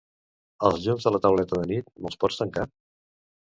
Els llums de la tauleta de nit, me'l pots tancar?